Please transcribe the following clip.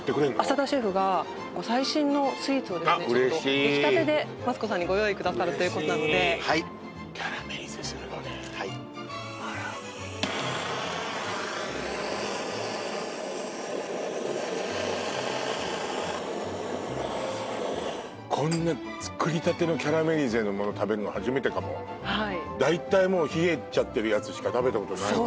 朝田シェフが最新のスイーツをあっ嬉しいできたてでマツコさんにご用意くださるということなのではいあらこんな作りたてのキャラメリゼのもの食べるの初めてかもだいたいもう冷えちゃってるやつしか食べたことないわ